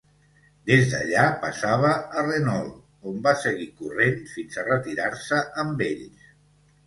Des d'allà passava a Renault on va seguir corrent fins a retirar-se amb ells.